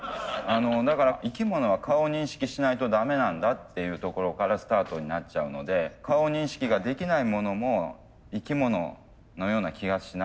生き物は顔認識しないと駄目なんだっていうところからスタートになっちゃうので顔認識ができないものも生き物のような気がしないかっていうことです。